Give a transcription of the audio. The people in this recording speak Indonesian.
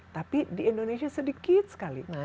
tapi di indonesia sedikit sekali